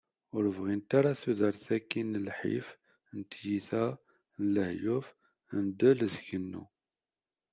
Ur bɣint ara tudert-aki n lḥif, n tyita, n lahyuf, n ddel d kennu.